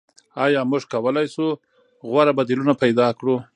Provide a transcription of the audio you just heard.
آیا موږ کولای شو غوره بدیلونه پیدا کړو؟